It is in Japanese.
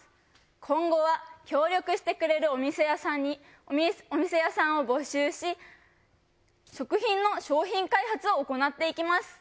今後は協力してくれるお店屋さんを募集し食品の商品開発を行っていきます。